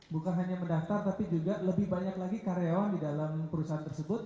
bukan hanya mendaftar tapi juga lebih banyak lagi karyawan di dalam perusahaan tersebut